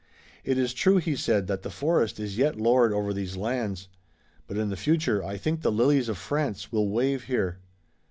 "It is true," he said, "that the forest is yet lord over these lands, but in the future I think the lilies of France will wave here.